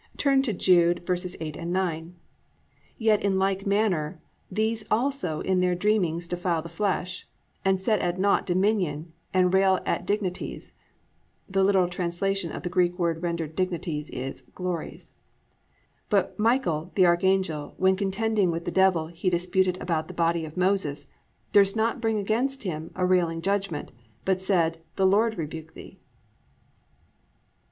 Turn to Jude 8, 9: +"Yet in like manner these also in their dreamings defile the flesh, and set at nought dominion, and rail at dignities+ (the literal translation of the Greek word rendered dignities is "glories"). +(9) But Michael the Archangel, when contending with the devil he disputed about the body of Moses, durst not bring against him a railing judgment, but said, The Lord rebuke thee."